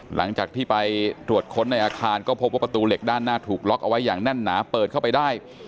หลังจากที่ไปตรวจค้นในอาคารก็พบว่าประตูเหล็กด้านหน้าถูกล็อกเอาไว้อย่างแน่นหนาเปิดเข้าไปได้